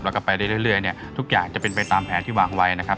แล้วก็ไปเรื่อยเนี่ยทุกอย่างจะเป็นไปตามแผนที่วางไว้นะครับ